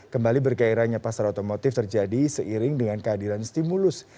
kembali bergairahnya pasar otomotif terjadi seiring dengan kehadiran stimulus